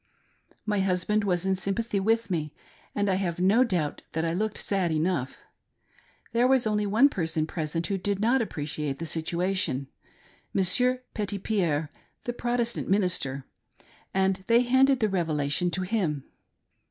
My husband was in sympathy with me, and I have no doubt that I looked sad enough. There was only one person present who did not appreciate the situation — Monsieur Petitpierre, the Protestant minister — and they handed the . Revelation to him.